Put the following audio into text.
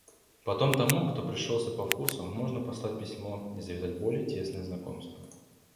Потом тому, кто пришелся по вкусу, можно послать письмо и завязать более тесное знакомство.